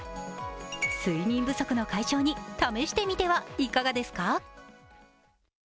睡眠不足の解消に試してみてはいかがですか？